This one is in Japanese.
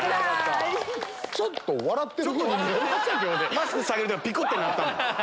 マスク下げる時ピクってなったもん。